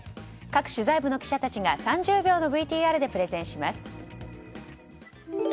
各取材部の記者たちが３０秒のＶＴＲでプレゼンします。